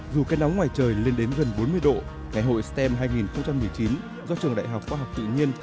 dù cái nóng ngoài trời lên đến gần bốn mươi độ ngày hội stem hai nghìn một mươi chín do trường đại học khoa học tự nhiên